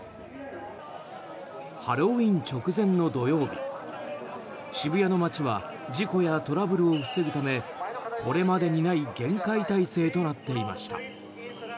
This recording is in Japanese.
ハロウィーン直前の土曜日渋谷の街は事故やトラブルを防ぐためこれまでにない厳戒態勢となっていました。